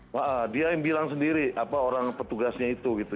mbak dia yang bilang sendiri orang petugasnya itu gitu